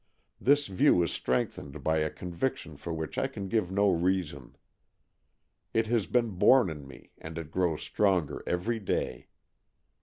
This view is strengthened by a conviction for which I can give no reason. It has been born in me and it grows stronger every day.